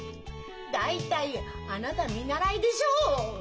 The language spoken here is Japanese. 大体あなた見習いでしょう！？